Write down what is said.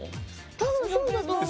多分そうだと思います。